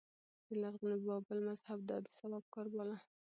د لرغوني بابل مذهب دا د ثواب کار باله